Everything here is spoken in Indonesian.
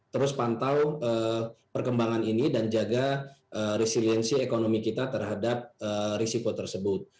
terus pantau perkembangan ini dan jaga resiliensi ekonomi kita terhadap risiko tersebut